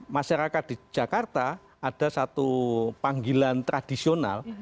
masyarakat di jakarta ada satu panggilan tradisional